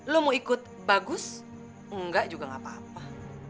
lo mau ikut bagus enggak juga gak apa apa